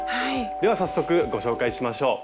では早速ご紹介しましょう。